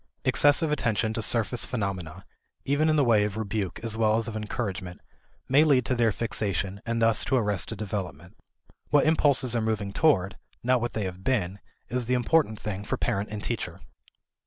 Excessive attention to surface phenomena (even in the way of rebuke as well as of encouragement) may lead to their fixation and thus to arrested development. What impulses are moving toward, not what they have been, is the important thing for parent and teacher.